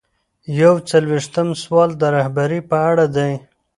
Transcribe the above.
یو څلویښتم سوال د رهبرۍ په اړه دی.